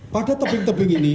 pada tebing tebing ini